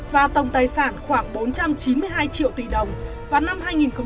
và tổng tài sản khoảng bốn trăm chín mươi hai triệu tỷ đồng vào năm hai nghìn một mươi bảy